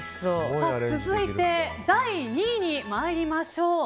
続いて、第２位に参りましょう。